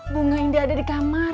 bunga ini ada di kamar